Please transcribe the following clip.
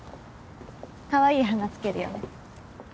かわいい花つけるよね。